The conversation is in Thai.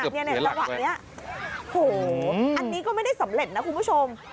เนี่ยระหว่างเนี่ยโหอันนี้ก็ไม่ได้สำเร็จนะคุณผู้ชม